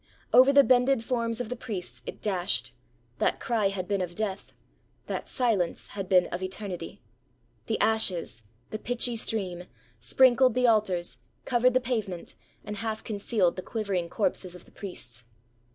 Over the bended forms of the priests it dashed; that cry had been of death — that silence had been of eternity! The ashes — the pitchy stream — sprinkled the altars, covered the pavement, and half concealed the quivering corpses of the priests!